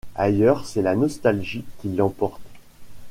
Ailleurs c’est la nostalgie qui l’emporte.